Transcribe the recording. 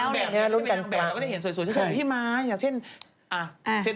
เราก็ได้เห็นสวยแบบสวย